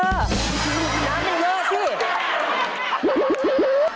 น้ำไม่เยอะสิ